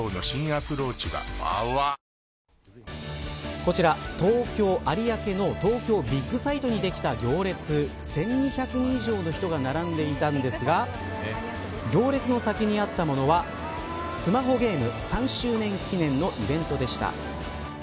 こちら東京、有明の東京ビッグサイトにできた行列１２００人以上の人が並んでいたんですが行列の先にあったものはスマホゲーム３周年記念のイベントでした。